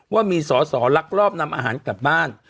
ว่ามีสอสอลักลอบนำอาหารกลับบ้าน